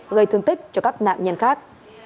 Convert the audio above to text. gây thương tích cho các nạn nhân khác